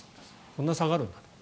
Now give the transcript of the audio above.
こんなに下がるんだと。